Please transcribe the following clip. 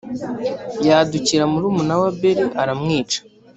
yadukira murumuna we abeli aramwica